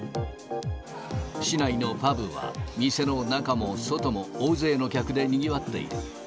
市内のパブは、店の中も外も大勢の客でにぎわっている。